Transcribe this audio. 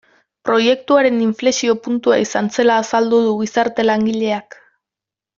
Proiektuaren inflexio puntua izan zela azaldu du gizarte langileak.